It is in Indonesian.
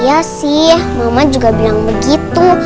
iya sih mama juga bilang begitu